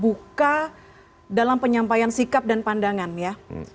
buka dalam penyampaian sikap dan pandangan ya